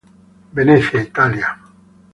Venecia, Italia.